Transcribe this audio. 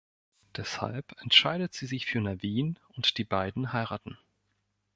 Deshalb entscheidet sie sich für Navin und die beiden heiraten.